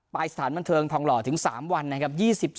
สถานบันเทิงทองหล่อถึง๓วันนะครับ